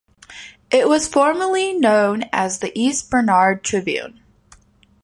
It was formerly known as the East Bernard Tribune.